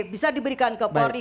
bisa diberikan ke polri